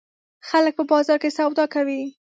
خلک په بازار کې سودا کوي.